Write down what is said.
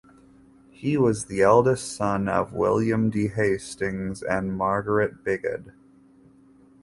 He was the eldest son of William de Hastings and Margaret Bigod.